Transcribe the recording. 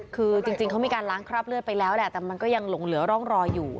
คือจริงเขามีการล้างคราบเลือดไปแล้วแหละแต่มันก็ยังหลงเหลือร่องรอยอยู่